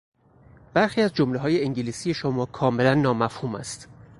برخی از جملههای انگلیسی شما کاملا نامفهوم است.